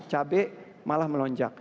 cabai malah melonjak